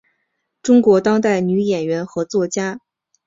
中国当代女演员和作家。